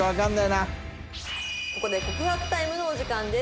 ここで告白タイムのお時間です。